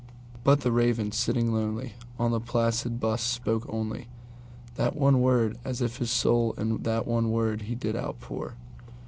But the Raven, sitting lonely on the placid bust, spoke onlyThat one word, as if his soul in that one word he did outpour.